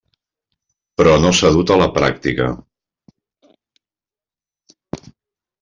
Però no s'ha dut a la pràctica.